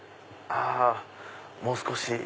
あもう少し。